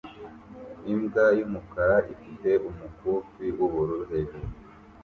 Imbwa yumukara ifite umukufi wubururu hejuru